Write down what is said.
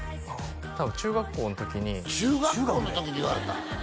多分中学校の時に中学校の時に言われたん？